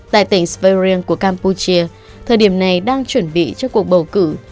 tại tỉnh sperian của capuchia thời điểm này đang chuẩn bị cho cuộc bầu cử